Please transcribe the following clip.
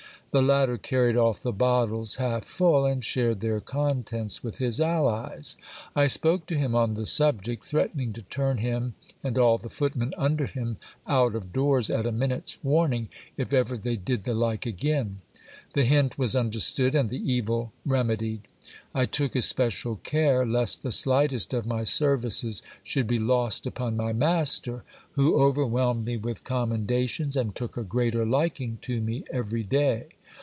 The latter carried off the bottles half full, and shared their contents with his allies. I spoke to him on the subject, threaten ing to turn him and all the footmen under him out of doors at a minute's warn ing, if ever they did the like again. The hint was understood, and the evil remedied. I took especial care lest the slightest of my services should be lost upon my master, who overwhelmed me with commendations, and took a greater liking to me every day.